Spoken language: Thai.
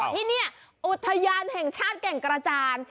ที่นี่อุทยานแห่งชาติแก่งกระจาน